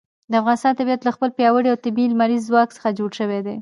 د افغانستان طبیعت له خپل پیاوړي او طبیعي لمریز ځواک څخه جوړ شوی دی.